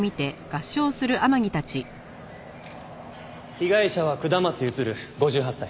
被害者は下松譲５８歳。